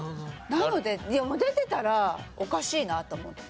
なので出てたらおかしいなと思って。